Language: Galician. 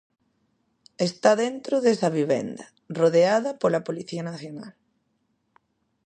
Está dentro desa vivenda, rodeada pola Policía Nacional.